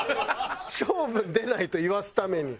勝負に出ないと言わすために。